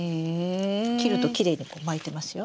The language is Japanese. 切るときれいにこう巻いてますよ。